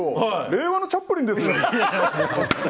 令和のチャップリンですよ。